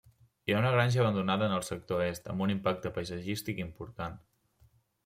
Hi ha una granja abandonada al sector est, amb un impacte paisatgístic important.